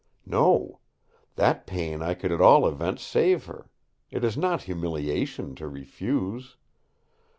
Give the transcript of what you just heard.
No! that pain I could at all events save her; it is not humiliation to refuse.